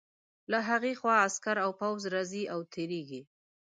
له هغې خوا عسکر او پوځ راځي او تېرېږي.